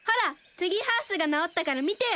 ツリーハウスがなおったからみてよ！